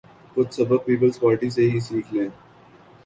کچھ سبق پیپلزپارٹی سے ہی سیکھ لیں۔